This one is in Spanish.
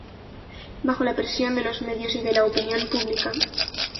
Bajo la presión de los medios y de la opinión pública.